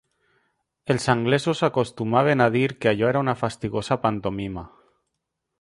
Els anglesos acostumaven a dir que allò era una fastigosa pantomima